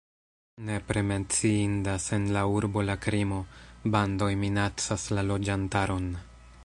Nepre menciindas en la urbo la krimo, bandoj minacas la loĝantaron.